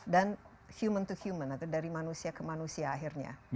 dan human to human atau dari manusia ke manusia akhirnya